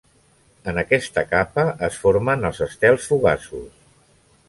En aquesta capa es formen els estels fugaços.